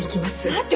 待って！